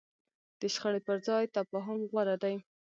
د شخړې پر ځای تفاهم غوره دی.